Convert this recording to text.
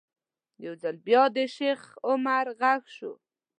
یو ځل بیا د شیخ عمر غږ شو.